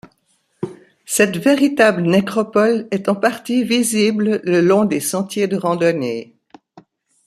Cette véritable nécropole est en partie visible le long des sentiers de randonnée.